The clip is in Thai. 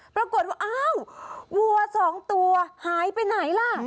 ปรากฏว่าอ้าววัวสองตัวหายไปไหนล่ะ